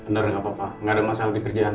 bener gapapa gaada masalah di kerjaan